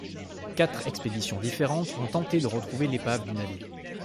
Quatre expéditions différentes ont tenté de retrouver l'épave du navire.